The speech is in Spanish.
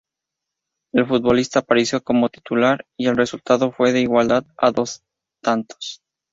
El futbolista apareció como titular y el resultado fue de igualdad a dos tantos.